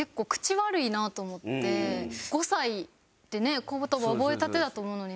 ５歳でね言葉覚えたてだと思うのに。